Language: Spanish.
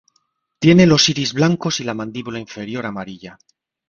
Tiene los iris blancos y la mandíbula inferior amarilla.